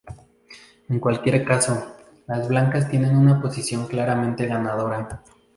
En cualquier caso, las blancas tienen una posición claramente ganadora.